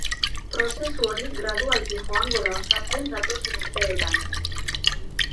Prozesu hori gradualki joango da osatzen datozen urteetan.